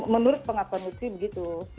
menurut pengakuan lutfi begitu